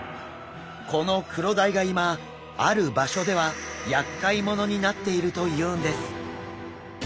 このクロダイが今ある場所では厄介者になっているというんです。